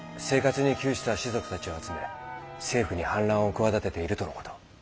生活に窮した士族たちを集め政府に反乱を企てているとのこと。